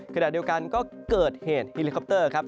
ขณะเดียวกันก็เกิดเหตุเฮลิคอปเตอร์ครับ